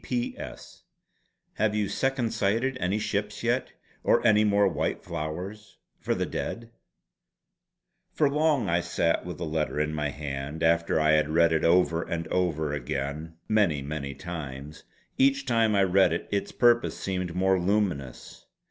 "P.P.P.S. Have you second sighted any ships yet? Or any more white flowers for the Dead?" For long I sat with the letter in my hand after I had read it over and over again many many times. Each time I read it its purpose seemed more luminous.